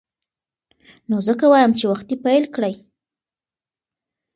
نو ځکه وایم چې وختي پیل کړئ.